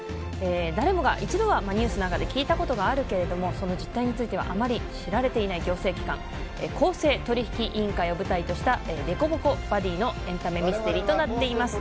誰もが一度はニュースなんかで聞いたことがあるけれどもその実態についてはあまり知られていない行政機関公正取引委員会を舞台としたデコボコバディーのエンタメミステリーとなっています。